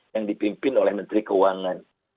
yang dipimpin oleh menteri keuangan